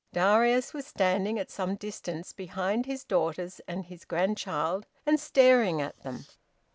Darius was standing at some distance behind his daughters and his grandchild, and staring at them.